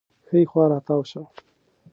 ښي خوا راتاو شه